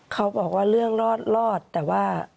เขาบอกว่าเรื่องรอดรอดแต่ว่า